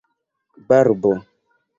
barbo